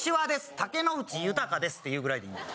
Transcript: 「竹野内豊です」って言うぐらいでいいんだよ